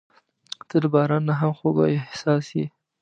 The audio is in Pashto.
• ته د باران نه هم خوږه احساس یې.